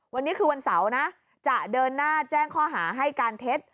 วันนี้คือวันเสาร์นะจะเดินหน้าแจ้งข้อหาให้การเท็จ